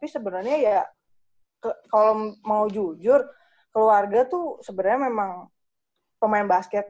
sebenarnya ya kalau mau jujur keluarga tuh sebenarnya memang pemain basket